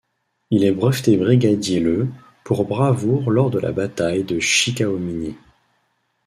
Il est breveté brigadier le pour bravoure lors de la bataille de Chickahominy.